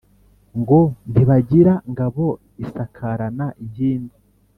Ngo ntibagira Ngabo isakarana inkindi